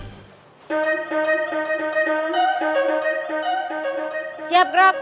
sampai jumpa di video selanjutnya